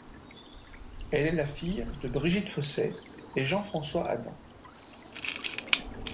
Elle est la fille de Brigitte Fossey et Jean-François Adam.